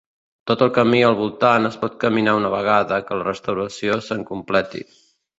Tot el camí al voltant es pot caminar una vegada que la restauració se'n completi.